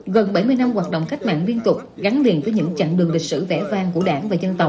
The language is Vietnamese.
gần bảy mươi năm hoạt động cách mạng liên tục gắn liền với những chặng đường lịch sử vẽ vang của đảng và dân tộc